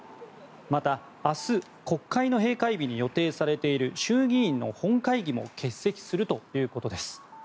また、明日、国会の閉会日に予定されている衆議院の本会議も欠席するということです。